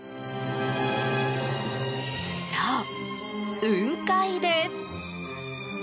そう、雲海です！